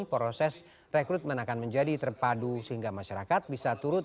proses rekrutmen akan menjadi terpadu sehingga masyarakat bisa turut